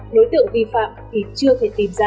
đối tượng vi phạm thì chưa thể tìm ra